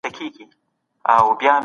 زموږ د خوښبو او نیکمرغیو ټاټوبی دی